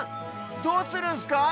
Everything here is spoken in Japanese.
どうするんすか？